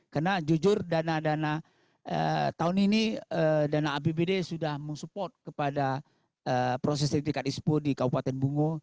karena jujur dana dana tahun ini dana apbd sudah mensupport kepada proses retikat ispo di kabupaten bungo